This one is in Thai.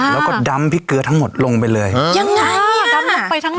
แล้วก็ดำพริกเกลือทั้งหมดลงไปเลยเออยังไงอ่ะดำลงไปทั้งหมด